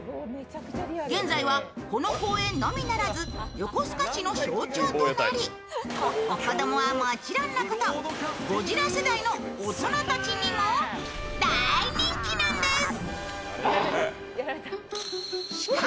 現在は、この公園のみならず横須賀市の象徴となり、子供はもちろんのことゴジラ世代の大人たちにも大人気なんです。